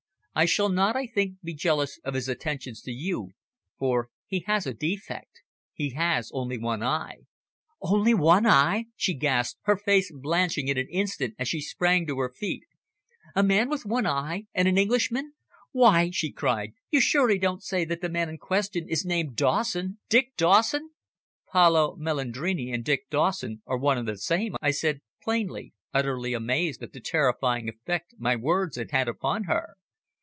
I shall not, I think, be jealous of his attentions to you, for he has a defect he has only one eye." "Only one eye!" she gasped, her face blanching in an instant as she sprang to her feet. "A man with one eye and an Englishman! Why," she cried, "you surely don't say that the man in question is named Dawson Dick Dawson?" "Paolo Melandrini and Dick Dawson are one and the same," I said plainly, utterly amazed at the terrifying effect my words had had upon her.